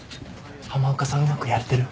浜岡さんうまくやれてる？